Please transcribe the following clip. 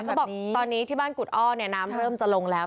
เขาบอกตอนนี้ที่บ้านกุฎอ้อเนี่ยน้ำเริ่มจะลงแล้ว